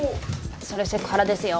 それセクハラですよ。